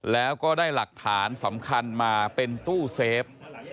แล้วก็ได้หลักฐานสำคัญมาเป็นตู้เซฟ